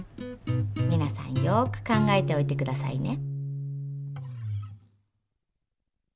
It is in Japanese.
みなさんよく考えておいてくださいね。